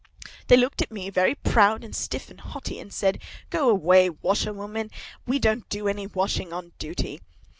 "They looked at me very proud and stiff and haughty, and said, 'Go away, washerwoman! We don't do any washing on duty.